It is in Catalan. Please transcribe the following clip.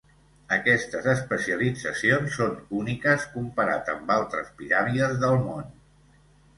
Aquestes especialitzacions són úniques comparat amb altres piràmides del món.